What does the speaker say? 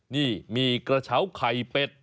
นี่มีกระเช้าไข่เป็ด